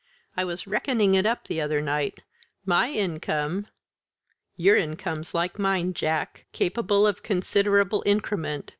I was reckoning it up the other night. My income " "Your income's like mine, Jack capable of considerable increment.